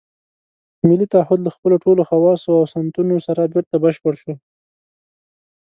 ملي تعهُد له خپلو ټولو خواصو او سنتونو سره بېرته بشپړ شوی.